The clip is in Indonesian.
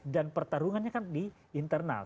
dan pertarungannya kan di internal